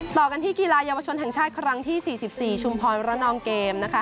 ต่อกันที่กีฬาเยาวชนแห่งชาติครั้งที่๔๔ชุมพรระนองเกม